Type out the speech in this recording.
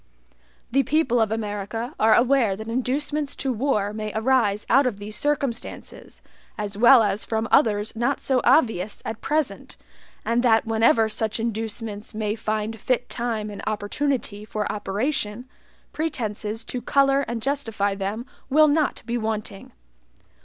The people of America are aware that inducements to war may arise out of these circumstances, as well as from others not so obvious at present, and that whenever such inducements may find fit time and opportunity for operation, pretenses to color and justify them will not be wanting.